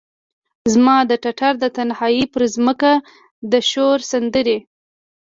زما د ټټر د تنهایې پرمځکه د شور سندرې،